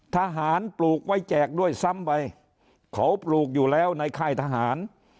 ทหารปลูกไว้แจกด้วยซ้ำไปเขาปลูกอยู่แล้วในค่ายทหาร